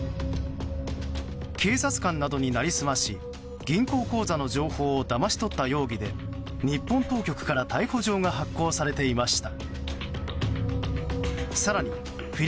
警察官などになりすまし銀行口座の情報をだまし取った容疑で日本当局から逮捕状が発行されていました。